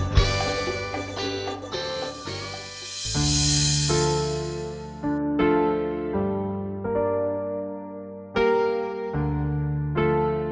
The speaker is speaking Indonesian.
kamu juga sama